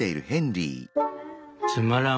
「つまらん